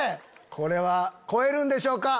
これは超えるんでしょうか？